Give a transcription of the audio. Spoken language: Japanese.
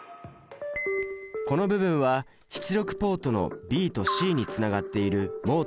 この部分は出力ポートのＢとＣにつながっているモータのこと。